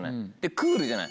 クールじゃない。